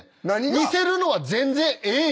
「見せるのは全然ええよ」